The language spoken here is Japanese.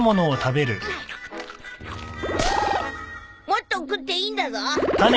もっと食っていいんだぞ。